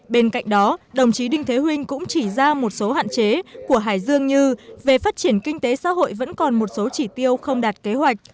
bên cạnh đó đồng chí đinh thế huynh cũng chỉ ra một số hạn chế của hải dương như về phát triển kinh tế xã hội vẫn còn một số chỉ tiêu không đạt kế hoạch